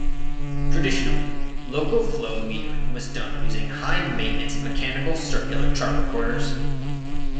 Traditionally, local flow metering was done using high maintenance mechanical circular chart recorders.